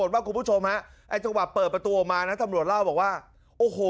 ว่าคุณผู้ชมฮะไอ้จังหวะเปิดประตูออกมานะตำรวจเล่าบอกว่าโอ้โห